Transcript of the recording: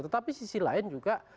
tetapi sisi lain juga